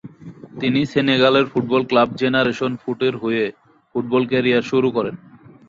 তিনি সেনেগালের football club generation ফুটের হয়ে ফুটবল ক্যারিয়ার শুরু করেন।